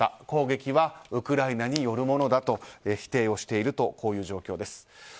攻撃はウクライナによるものだと否定をしているという状況です。